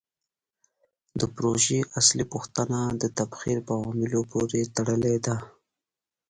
د پروژې اصلي پوښتنه د تبخیر په عواملو پورې تړلې ده.